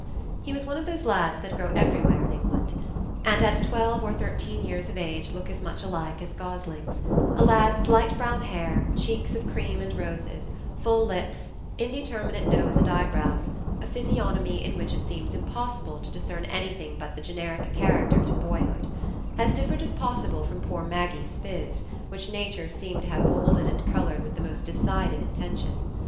He was one of those lads that grow everywhere in England, and at twelve or thirteen years of age look as much alike as goslings,—a lad with light brown hair, cheeks of cream and roses, full lips, indeterminate nose and eyebrows,—a physiognomy in which it seems impossible to discern anything but the generic character to boyhood; as different as possible from poor Maggie's phiz, which Nature seemed to have moulded and coloured with the most decided intention.